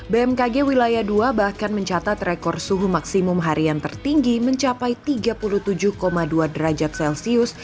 bmkg wilayah dua bahkan mencatat rekor suhu maksimum harian tertinggi mencapai tiga puluh tujuh dua derajat celcius